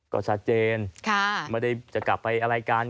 ก็ชัดเจนไม่ได้จะกลับไปอะไรกัน